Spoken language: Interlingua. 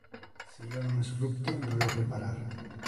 Si illo non es rupte, non lo reparar.